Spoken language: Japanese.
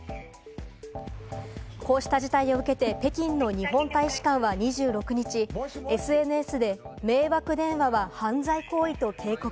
こうした事態を受けて北京の日本大使館は２６日、ＳＮＳで迷惑電話は犯罪行為と警告。